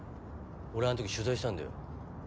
俺あんとき取材したんだよ。